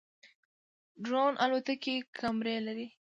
ډرون الوتکې کمرې لري